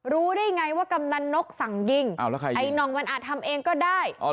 รู้ได้ไงว่ากำนันนกสั่งยิงไอ้น่องมันอาจทำเองก็ได้